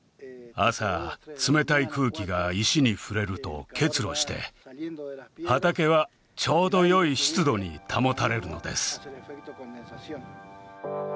朝冷たい空気が石に触れると結露して畑はちょうどよい湿度に保たれるのです